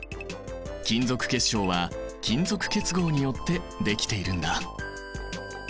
金属結晶は金属結合によってできているんだ。